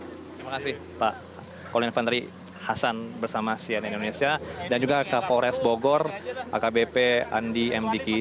terima kasih pak kolonial infanteri hasan bersama cian indonesia dan juga pak kapolres bogor pak kbp andi mdiki